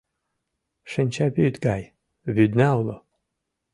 Шинчавӱд гай вӱдна уло.